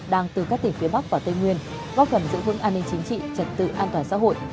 đang từ các tỉnh phía bắc và tây nguyên góp phần giữ vững an ninh chính trị trật tự an toàn xã hội